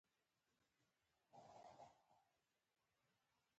زه د فلم کیسه بیا وایم.